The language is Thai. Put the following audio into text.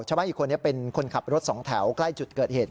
เฉพาะอีกคนเป็นคนขับรถสองแถวกล้ายจุดเกิดเหตุ